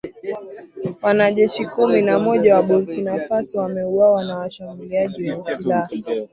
Wanajeshi kumi na mmoja wa Burkina Faso wameuawa na washambuliaji wenye silaha